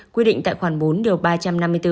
quyết định tại khoảng bốn điều ba trăm năm mươi bốn